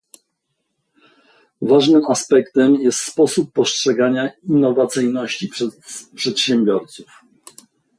Ważnym aspektem jest sposób postrzegania innowacyjności przez przedsiębiorców